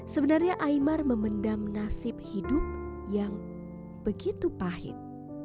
sebenarnya imar memendam nasib hidup yang begitu pahit